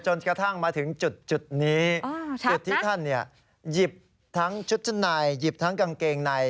จนกระทั่งมาถึงจุดนี้จุดที่ท่านหยิบทั้งชุดชั้นในหยิบทั้งกางเกงใน